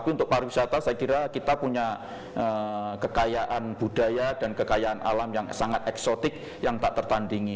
untuk pariwisata saya kira kita punya kekayaan budaya dan kekayaan alam yang sangat eksotik yang tak tertandingi